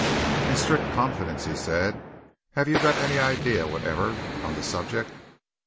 "In strict confidence," he said, "have you got any idea whatever on the subject?"